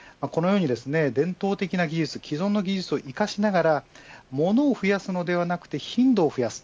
伝統的な技術既存の技術を生かしながらものを増やすのではなく頻度を増やす